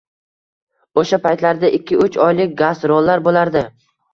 O‘sha paytlarda ikki-uch oylik gastrollar bo‘lardi.